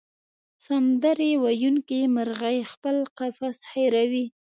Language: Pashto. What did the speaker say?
سندرې ویونکې مرغۍ خپل قفس هېروي.